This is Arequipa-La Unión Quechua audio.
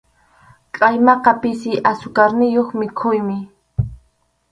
Qʼaymaqa pisi asukarniyuq mikhuymi.